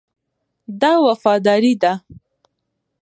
دا وفاداري ده.